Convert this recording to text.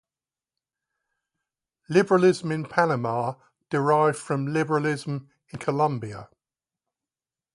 Liberalism in Panama derived from liberalism in Colombia.